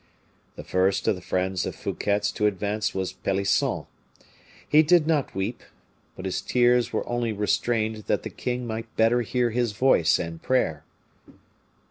The first of the friends of Fouquet's to advance was Pelisson. He did not weep, but his tears were only restrained that the king might better hear his voice and prayer.